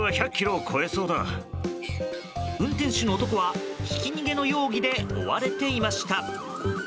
運転手の男はひき逃げの容疑で追われていました。